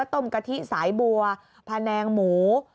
กะทิสายบัวพะแนงหมู